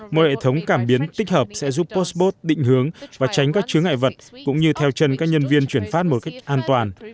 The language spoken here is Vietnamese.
mọi hệ thống cảm biến tích hợp sẽ giúp postbot định hướng và tránh các chứa ngại vật cũng như theo chân các nhân viên chuyển phát một cách an toàn